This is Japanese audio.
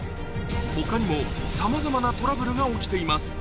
他にもさまざまなトラブルが起きています